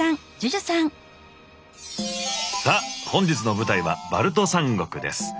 さあ本日の舞台はバルト三国です。